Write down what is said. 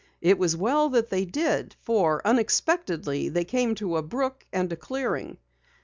It was well that they did, for unexpectedly they came to a brook and a clearing.